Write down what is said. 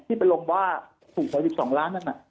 ที่เป็นโรงว่าสูงสายอีก๒ล้านบาท